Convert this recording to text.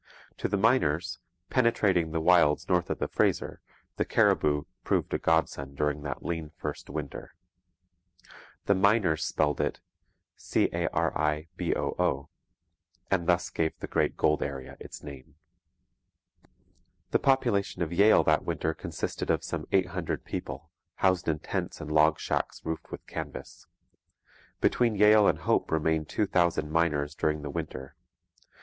To the miners, penetrating the wilds north of the Fraser, the caribou proved a godsend during that lean first winter. The miners spelled it 'cariboo,' and thus gave the great gold area its name. The population of Yale that winter consisted of some eight hundred people, housed in tents and log shacks roofed with canvas. Between Yale and Hope remained two thousand miners during the winter.